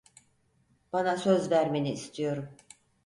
Bana söz vermeni istiyorum.